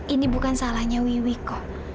ini bukan salah saya kok